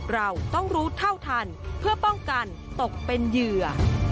เราต้องรู้เท่าทันเพื่อป้องกันตกเป็นเหยื่อ